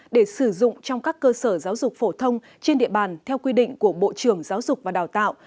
để sử dụng trong các cơ sở giáo dục phổ thông trên địa bàn theo quy định của bộ trưởng giáo dục và đào tạo